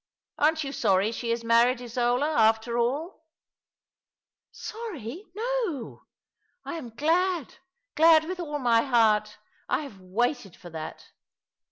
Aren't yon sorry she is married, Isola, after all ?" "Sorry! No! I am glad — glad with all my heart. 1 have waited for that."